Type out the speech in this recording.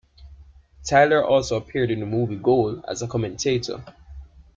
Tyler also appeared in the movie "Goal" as a commentator.